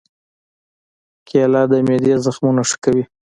کېله د معدې زخمونه ښه کوي.